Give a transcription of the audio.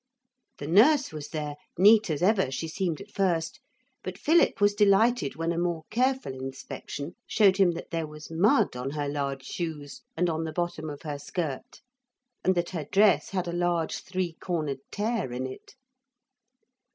The nurse was there, neat as ever she seemed at first, but Philip was delighted when a more careful inspection showed him that there was mud on her large shoes and on the bottom of her skirt, and that her dress had a large three cornered tear in it.